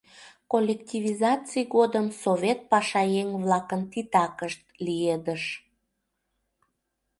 Коллективизаций годым совет пашаеҥ-влакын титакышт лиедыш.